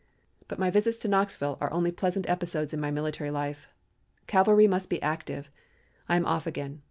"But my visits to Knoxville are only pleasant episodes in my military life. Cavalry must be active. I am off again.